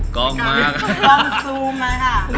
กล้องซูมมาฮะ